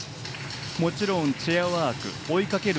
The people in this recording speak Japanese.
もちろんチェアワーク追いかける